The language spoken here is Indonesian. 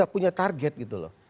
punya target gitu loh